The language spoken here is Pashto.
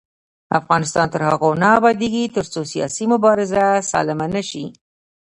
افغانستان تر هغو نه ابادیږي، ترڅو سیاسي مبارزه سالمه نشي.